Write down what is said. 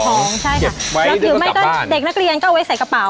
เก็บไว้แล้วก็กลับบ้านหรือเด็กนักเรียนก็เอาไว้ใส่กระเป๋า